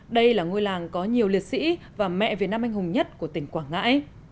đây là ngôi làng có nhiều liệt sĩ và mẹ việt nam anh hùng nhất của tỉnh quảng ngãi